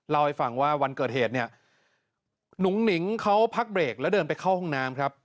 เล่าให้ฟังว่าวันเกิดเหตุเนี่ยหนุ่งหนิงเขาพักเบรกแล้วเดินไปเข้าห้องน้ำครับ